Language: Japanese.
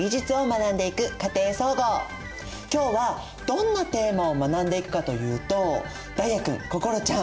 今日はどんなテーマを学んでいくかというと太哉くん心ちゃん